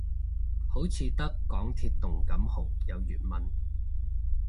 好似得港鐵動感號有粵文